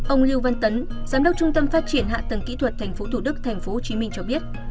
ông lưu văn tấn giám đốc trung tâm phát triển hạ tầng kỹ thuật tp thủ đức tp hcm cho biết